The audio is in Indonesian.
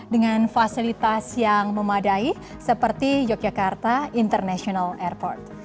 dengan fasilitas yang memadai seperti yogyakarta international airport